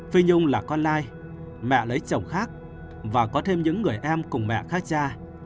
phi nhung là con lai mẹ lấy chồng khác và có thêm những người em cùng mẹ khác cha